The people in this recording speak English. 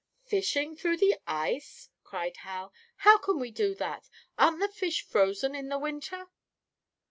"Fishing through the ice?" cried Hal. "How can we do that? Aren't the fish frozen in the winter?"